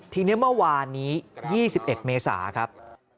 ทีนี้เมื่อวานนี้๒๑เมษาครับ